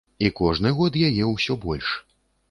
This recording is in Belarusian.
І кожны год яе ўсё больш.